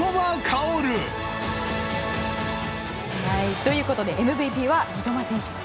ということでＭＶＰは三笘選手です。